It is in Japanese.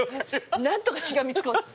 何とかしがみつこう。